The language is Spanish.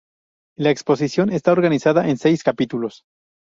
La exposición está organizada en seis capítulos.